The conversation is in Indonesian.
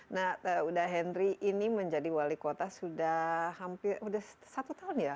nah udah henry ini menjadi wali kota sudah hampir sudah satu tahun ya